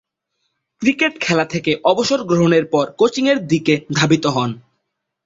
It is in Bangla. ক্রিকেট খেলা থেকে অবসর গ্রহণের পর কোচিংয়ের দিকে ধাবিত হন।